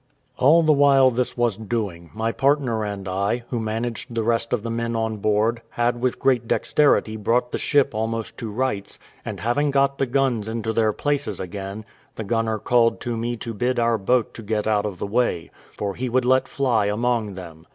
All the while this was doing, my partner and I, who managed the rest of the men on board, had with great dexterity brought the ship almost to rights, and having got the guns into their places again, the gunner called to me to bid our boat get out of the way, for he would let fly among them.